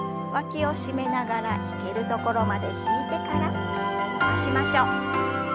わきを締めながら引けるところまで引いてから伸ばしましょう。